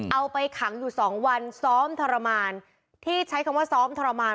เอาไปขังอยู่สองวันซ้อมทรมานที่ใช้คำว่าซ้อมทรมาน